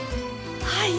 はい。